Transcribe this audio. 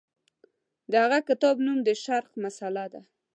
د هغه کتاب نوم د شرق مسأله ده.